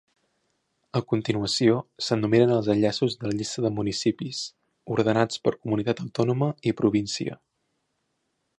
A continuació, s'enumeren els enllaços de la llista de municipis, ordenats per comunitat autònoma i província.